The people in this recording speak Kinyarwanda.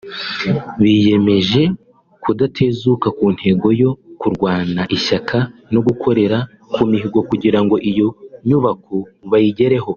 Biyemeje kudatezuka ku ntego yo kurwana ishyaka no gukorera ku mihigo kugira ngo iyo nyubako bayigereho